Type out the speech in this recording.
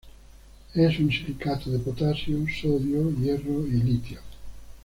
Es un silicato de potasio, sodio, hierro y litio.